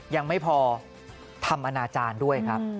ยังไม่พอทำอนาจารย์ด้วยครับ